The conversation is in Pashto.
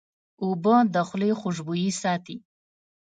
اوبه د خولې خوشبویي ساتي.